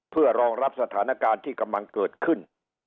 เพื่อรองรับสถานการณ์ที่กำลังเกิดขึ้น